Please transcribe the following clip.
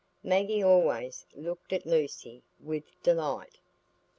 Maggie always looked at Lucy with delight.